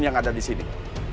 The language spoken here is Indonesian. yang ada disini